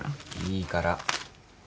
いいから。